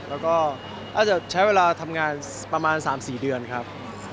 อาจจะใช้เวลาทำงานประมาณ๓๔เดือนครับ